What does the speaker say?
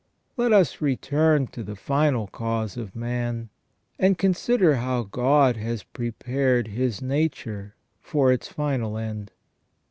Let us return to the final cause of man, and consider how God has prepared his nature for its final end.